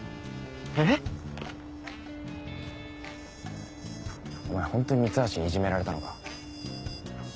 えっ⁉お前ホントに三橋にいじめられたのか？